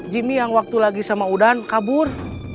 jimmy yang waktu lagi sama udan kabur